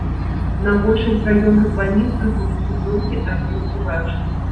На большасць раённых бальніц прыходзіўся толькі адзін урач.